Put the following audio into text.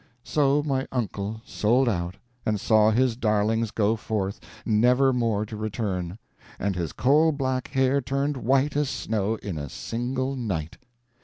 So my uncle sold out, and saw his darlings go forth, never more to return; and his coal black hair turned white as snow in a single night.